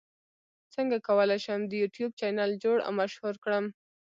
څنګه کولی شم د یوټیوب چینل جوړ او مشهور کړم